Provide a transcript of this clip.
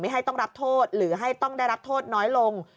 ให้ต้องรับโทษหรือให้ต้องได้รับโทษน้อยลง